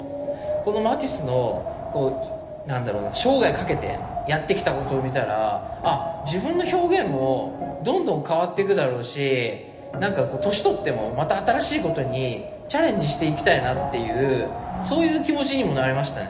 このマティスのこう何だろうな生涯かけてやってきたことを見たらあ自分の表現もどんどん変わっていくだろうしなんかこう年取ってもまた新しいことにチャレンジしていきたいなっていうそういう気持ちにもなれましたね。